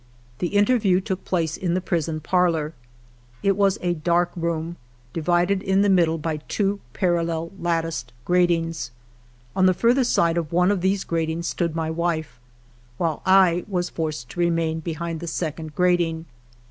The interview took place in the prison parlor. It was ALFRED DREYFUS 37 a dark room, divided in the middle by two paral lel latticed gratings. On the further side of one of these gratings stood my wife, while I was forced to remain behind the second grating.